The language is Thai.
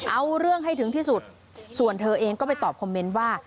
เอาเรื่องให้ถึงที่สุดส่วนเธอเองก็ไปตอบคอมเมนต์ว่า